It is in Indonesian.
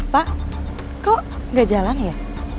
pak kok gak jalan ya